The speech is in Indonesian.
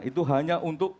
itu hanya untuk